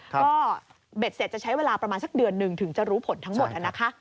ก็เบ็ดเสร็จจะใช้เวลาประมาณสักเดือนหนึ่งถึงจะรู้ผลทั้งหมดนะคะ